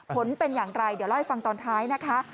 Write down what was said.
ผลเป็นอย่างไรเดี๋ยวเล่าให้ฟังตอนท้ายนะคะ